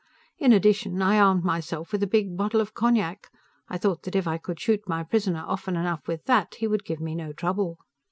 In addition, I armed myself with a big bottle of cognac. I thought that if I could shoot my prisoner often enough with that, he would give me no trouble.